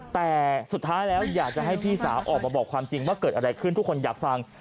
แต่สุดท้ายแล้วอยากจะให้พี่สาวออกมาบอกความจริงว่าเกิดอะไรขึ้นทุกคนอยากฟัง